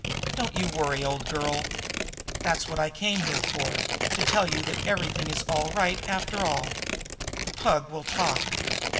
Don't you worry, old girl! That's what I came here for to tell you that everything is all right, after all. The Pug will talk.